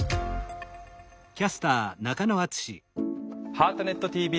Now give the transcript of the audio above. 「ハートネットＴＶ